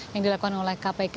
yang dilakukan oleh kpk